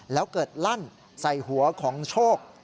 แล้วเกิดลั่นใส่หัวของโชค